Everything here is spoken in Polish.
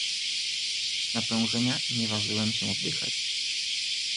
"Z naprężenia nie ważyłem się oddychać."